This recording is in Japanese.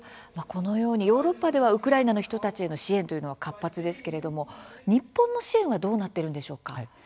このようにヨーロッパではウクライナの人たちへの支援というのは活発ですけれども日本の支援はどうなっているんでしょうか。